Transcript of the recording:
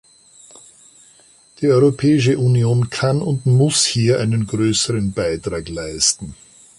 Die Europäische Union kann und muss hier einen größeren Beitrag leisten.